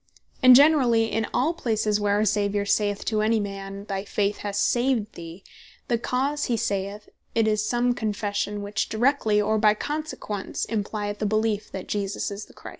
And generally in all places where our Saviour saith to any man, "Thy faith hath saved thee," the cause he saith it, is some Confession, which directly, or by consequence, implyeth a beleef, that Jesus Is The Christ.